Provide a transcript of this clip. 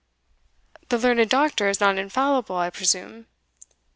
"The learned doctor is not infallible, I presume?"